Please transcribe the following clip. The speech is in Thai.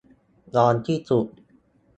ร้อนที่สุด